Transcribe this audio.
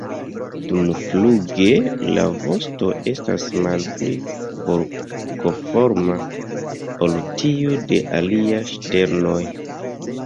Dumfluge la vosto estas malpli forkoforma ol tiu de aliaj ŝternoj.